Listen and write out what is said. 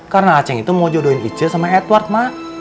karena acing itu mau jodohin ije sama edward mak